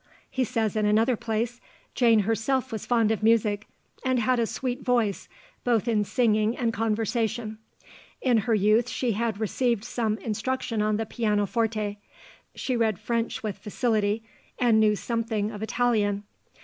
He says in another place, "Jane herself was fond of music, and had a sweet voice, both in singing and conversation; in her youth she had received some instruction on the pianoforte ... she read French with facility, and knew something of Italian."